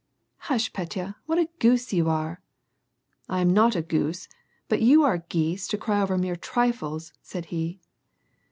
" Hush, Petya ! what a goose you are !"" I am not a goose, but you are geese to cry over mere trifles !" said he.